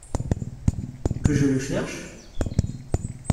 Que je le cherche ?